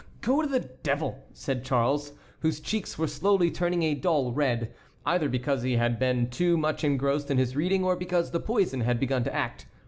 "Go to the devil!" said Charles, whose cheeks were slowly turning a dull red, either because he had been too much engrossed in his reading or because the poison had begun to act.